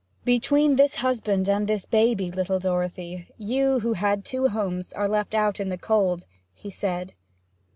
'Between this husband and this baby, little Dorothy, you who had two homes are left out in the cold,' he said.